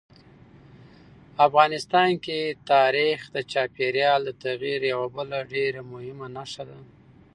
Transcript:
افغانستان کې تاریخ د چاپېریال د تغیر یوه بله ډېره مهمه نښه ده.